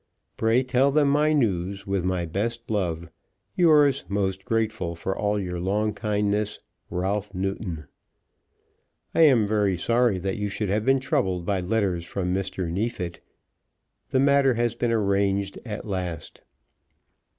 Pray tell them my news, with my best love. Yours, most grateful for all your long kindness, RALPH NEWTON. I am very sorry that you should have been troubled by letters from Mr. Neefit. The matter has been arranged at last.